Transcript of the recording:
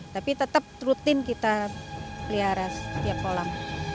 tapi tetap rutin kita pelihara setiap kolam